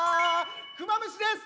クマムシです！